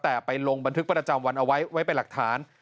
แต่ไปลงบันทึกประจำวันเอาไว้ไว้เป็นหลักฐาน